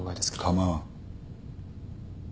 構わん。